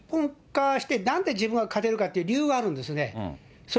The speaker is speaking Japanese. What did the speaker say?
ですから、一本化してなんで自分が勝てるかっていう理由があるんですよね。